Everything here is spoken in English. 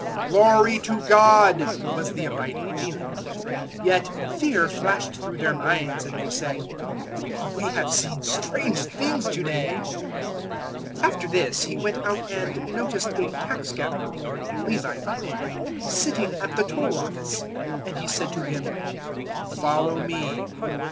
"Glory to God!" was the abiding feeling. Yet fear flashed through their minds and they said, "We have seen strange things to day." 005:027 After this He went out and noticed a tax gatherer, Levi by name, sitting at the Toll office; and He said to him, "Follow me."